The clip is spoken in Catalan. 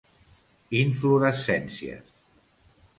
Inflorescències: